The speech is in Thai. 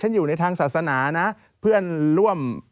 อยู่ในทางศาสนานะเพื่อนร่วม